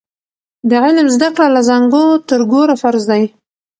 د علم زده کړه له زانګو تر ګوره فرض دی.